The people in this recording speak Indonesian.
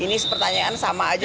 ini pertanyaan sama aja